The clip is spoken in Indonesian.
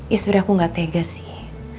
ya sebenernya aku gak tegas sih